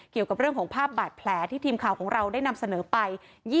เกี่ยวกับเรื่องของภาพบาดแผลที่ทีมข่าวของเราได้นำเสนอไป